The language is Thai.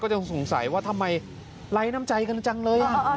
จะสงสัยว่าทำไมไร้น้ำใจกันจังเลย